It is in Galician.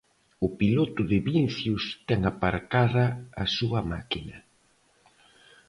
O piloto de Vincios ten aparcada a súa máquina.